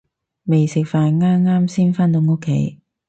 未食飯，啱啱先返到屋企